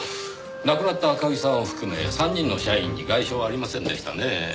亡くなった赤城さんを含め３人の社員に外傷はありませんでしたねぇ。